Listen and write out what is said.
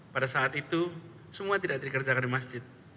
pada saat itu semua tidak dikerjakan di masjid